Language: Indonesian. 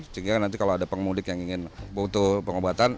sehingga nanti kalau ada pemudik yang ingin butuh pengobatan